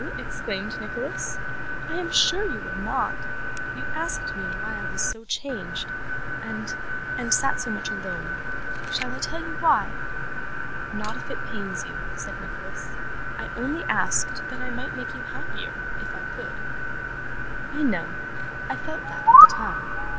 exclaimed Nicholas. 'I am sure you would not. You asked me why I was so changed, and and sat so much alone. Shall I tell you why?' 'Not if it pains you,' said Nicholas. 'I only asked that I might make you happier, if I could.' 'I know. I felt that, at the time.